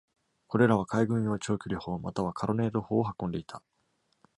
これらは海軍用長距離砲またはカロネード砲を運んでいた